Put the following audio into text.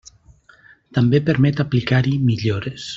També permet aplicar-hi millores.